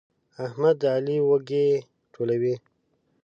احمد د علي وږي ټولوي.